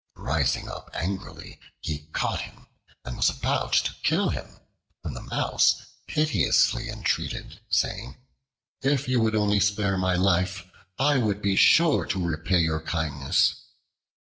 Rising up angrily, he caught him and was about to kill him, when the Mouse piteously entreated, saying: "If you would only spare my life, I would be sure to repay your kindness."